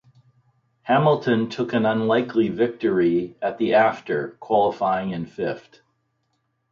Hamilton took an unlikely victory at the after qualifying in fifth.